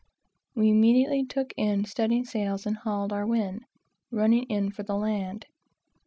We immediately took in studding sails and hauled our wind, running in for the land.